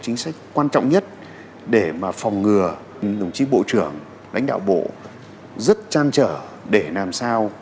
chính sách quan trọng nhất để mà phòng ngừa đồng chí bộ trưởng lãnh đạo bộ rất trăn trở để làm sao